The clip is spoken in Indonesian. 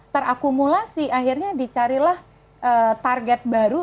terakumulasi akhirnya dicarilah target baru